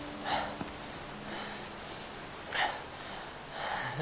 はあ。